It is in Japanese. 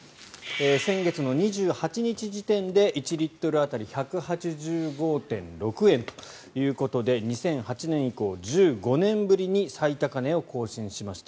先月の２８日時点で１リットル当たり１８５．６円ということで２００８年以降１５年ぶりに最高値を更新しました。